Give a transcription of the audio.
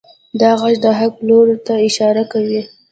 دا غږ د حق لور ته اشاره کوي.